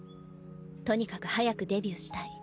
とにかく早くデビューしたい。